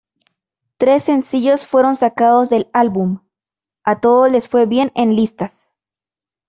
Tres sencillos fueron sacados del álbum.—a todos les fue bien en listas.